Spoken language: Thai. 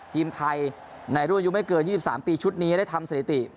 ทีมไทยในรัวอยู่ไม่เกินยี่สิบสามปีชุดนี้ได้ทำสถิติ